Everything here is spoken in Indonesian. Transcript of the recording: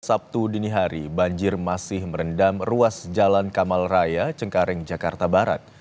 sabtu dini hari banjir masih merendam ruas jalan kamal raya cengkareng jakarta barat